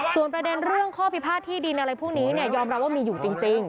ส่วนประเด็นเรื่องข้อพิพาทที่ดินอะไรพวกนี้ยอมรับว่ามีอยู่จริง